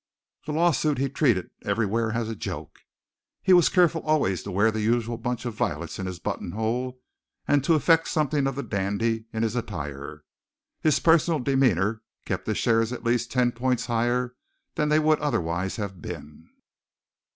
The lawsuit he treated everywhere as a joke. He was careful always to wear the usual bunch of violets in his buttonhole, and to affect something of the dandy in his attire. His personal demeanor kept his shares at least ten points higher than they would otherwise have been.